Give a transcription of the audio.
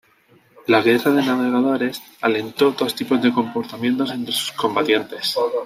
La guerra de navegadores alentó dos tipos de comportamientos entre sus combatientes.